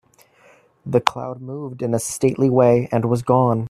The cloud moved in a stately way and was gone.